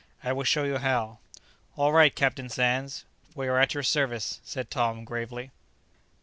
I will show you how." "All right, Captain Sands; we are at your service," said old Tom gravely.